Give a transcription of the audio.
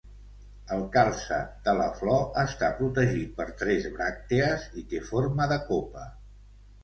El calze de la flor està protegit per tres bràctees i té forma de copa.